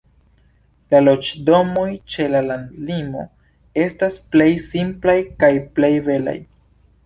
La loĝdomoj ĉe landlimo estas plej simplaj kaj plej belaj.